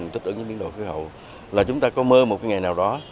thích ứng với biến đổi khí hậu là chúng ta có mơ một ngày nào đó